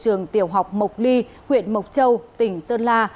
trường tiểu học mộc ly huyện mộc châu tỉnh sơn la